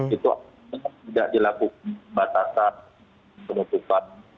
itu tidak dilakukan batasan penutupan